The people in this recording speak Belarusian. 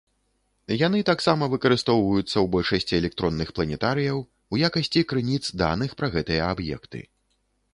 Яны таксама выкарыстоўваюцца ў большасці электронных планетарыяў у якасці крыніц даных пра гэтыя аб'екты.